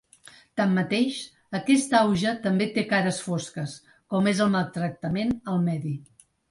Tanmateix, aquest auge també té cares fosques, com és el maltractament al medi.